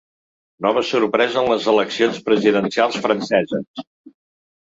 Nova sorpresa en les eleccions presidencials franceses.